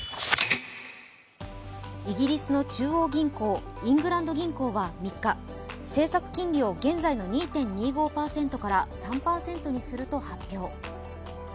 イギリスの中央銀行、イングランド銀行は３日、政策金利を現在の２．２５％から３％にすると発表。